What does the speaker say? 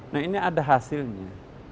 nah ini ada hasilnya